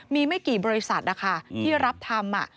มีไม่กี่บริษัทนะคะที่รับทำ